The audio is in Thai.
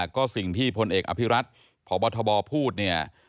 ก็สิ่งที่พลเอกอภิรัตน์พบทบพูดเนี่ย